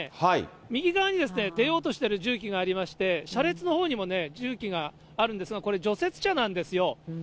右側に出ようとしている重機がありまして、車列のほうにもね、重機があるんですが、これ、除雪車なんですよ。